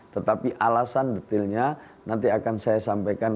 tetapi alasan detilnya nanti akan saya sampaikan